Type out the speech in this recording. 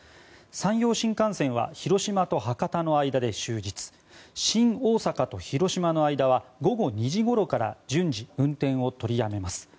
山陽新幹線は広島と博多の間で終日新大阪と広島の間は午後２時ごろから順次、運転を取りやめます。